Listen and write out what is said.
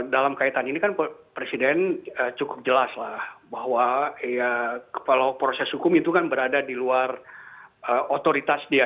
dalam kaitan ini kan presiden cukup jelas lah bahwa kalau proses hukum itu kan berada di luar otoritas dia